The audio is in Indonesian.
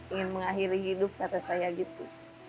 ingin mengakhiri hidup kata saya gitu